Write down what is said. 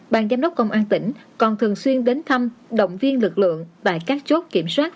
bàn giám đốc công an tỉnh còn thường xuyên đến thăm động viên lực lượng tại các chốt kiểm soát